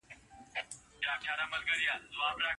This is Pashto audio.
تاسو د یو ښه ژوند مستحق یاست.